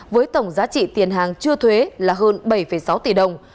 với tổng giá trị tiền hàng chưa thuế là hơn bảy sáu tỷ đồng